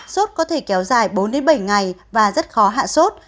suốt có thể kéo dài bốn đến bảy ngày và rất khó hạ suốt